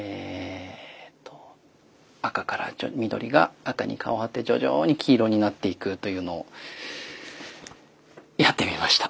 緑が赤に変わって徐々に黄色になっていくというのをやってみました！